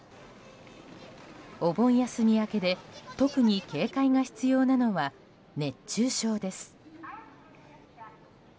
お盆休み明けで特に警戒が必要なのは熱中症です。